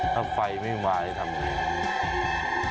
ถ้าไฟไม่มาจะทำไง